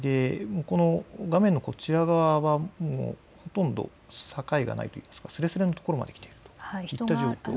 画面のこちら側はほとんど境がないといいますか、すれすれの所にきているといった状況です。